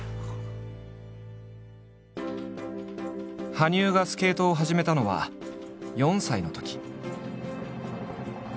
羽生がスケートを始めたのは４歳のとき。